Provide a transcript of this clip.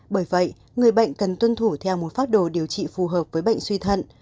bởi vậy người bệnh cần tuân thủ theo một phác đồ điều trị phù hợp với bệnh suy thận